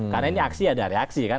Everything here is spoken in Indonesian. karena ini aksi ada reaksi kan